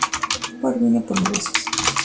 Howard vino por negocios.